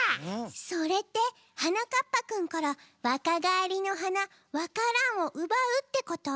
それってはなかっぱくんからわかがえりのはなわか蘭をうばうってこと？